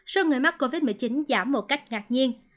số người mắc covid một mươi chín giảm một cách ngạc nhiên